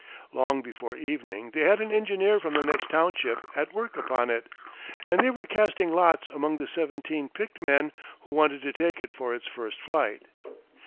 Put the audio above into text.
Long before evening they had an engineer from the next township at work upon it, and they were casting lots among the seventeen picked men who wanted to take it for its first flight.